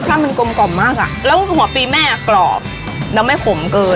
มันกลมกล่อมมากอ่ะแล้วหัวปีแม่อ่ะกรอบแล้วไม่ขมเกิน